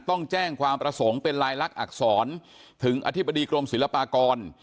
ต้องแจ้งความประสงค์เป็นลายลักษณอักษรถึงอธิบดีกรมศิลปากร